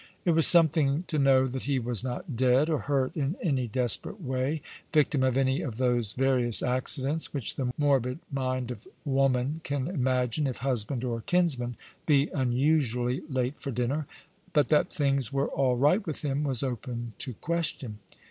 It was something to know that he was not dead, or hurt in any desperate way — victim of any of those various accidents which the morbid mind of woman can imagine if husband or kinsman be unusually late for dinner ; but that things were all right with him was open to question.